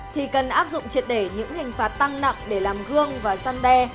thì cần áp dụng triệt để những hình phạt tăng nặng để làm gương và gian đe